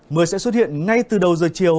mưa sẽ xuất hiện ngay từ đầu giờ chiều